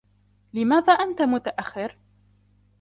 لماذا أنت متأخر ؟